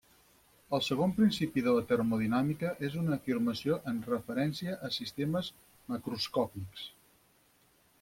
El segon principi de la termodinàmica és una afirmació en referència a sistemes macroscòpics.